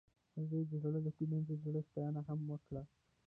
هغې د زړه له کومې د زړه ستاینه هم وکړه.